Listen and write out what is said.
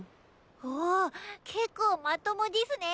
お結構まともでぃすね。